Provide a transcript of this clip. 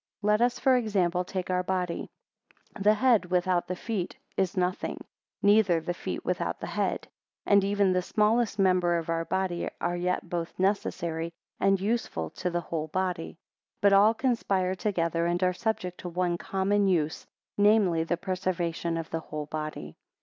30 Let us, for example, take our body: the head without the feet is nothing, neither the feet without the head. 31 And even the smallest members of our body are yet both necessary and useful to the whole body. 32 But all conspire together, and are subject to one common use, namely, the preservation of the whole body.